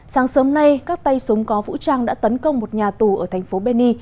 sáng sớm nay các tay súng có vũ trang đã tấn công một nhà tù ở thành phố beni